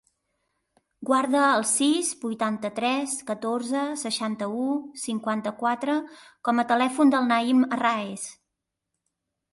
Guarda el sis, vuitanta-tres, catorze, seixanta-u, cinquanta-quatre com a telèfon del Naïm Arraez.